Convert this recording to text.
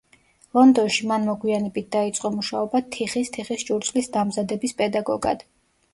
ლონდონში მან მოგვიანებით დაიწყო მუშაობა თიხის თიხის ჭურჭლის დამზადების პედაგოგად.